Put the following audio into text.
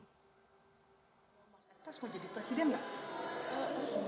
eh dia ngelirik dulu kan